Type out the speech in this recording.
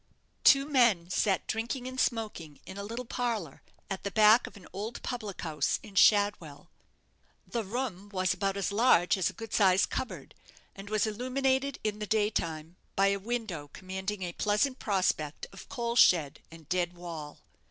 Two men sat drinking and smoking in a little parlour at the back of an old public house in Shadwell. The room was about as large as a good sized cupboard, and was illuminated in the day time by a window commanding a pleasant prospect of coal shed and dead wall.